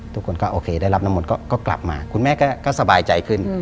ทุกคนก็โอเคได้รับน้ำมนต์ก็กลับมาคุณแม่ก็สบายใจขึ้น